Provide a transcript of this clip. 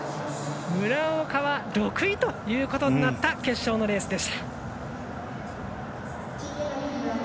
村岡は６位ということになった決勝のレースです。